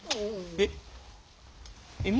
えっ！？